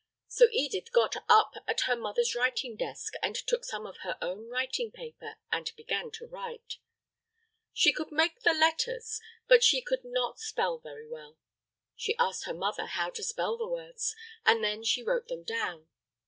So, Edith got up at her mother's writing desk and took some of her own writing paper, and began to write. She could make the letters but she could not spell very well. She asked her mother how to spell the words and then she wrote them down.